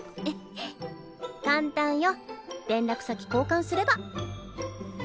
簡単よ連絡先交換すれば。